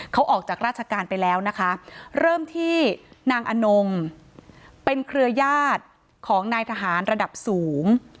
เขาออกจากราชการไปแล้วนะคะเริ่มที่นางอนงเป็นเครือญาติของนายทหารระดับสูง